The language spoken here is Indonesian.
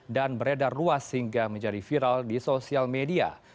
dan beredar luas hingga menjadi viral di sosial media